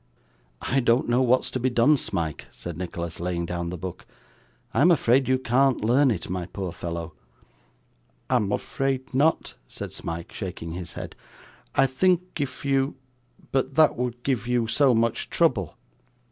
'I don't know what's to be done, Smike,' said Nicholas, laying down the book. 'I am afraid you can't learn it, my poor fellow.' 'I am afraid not,' said Smike, shaking his head. 'I think if you but that would give you so much trouble.